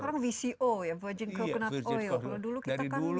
sekarang vco ya virgin coconut oil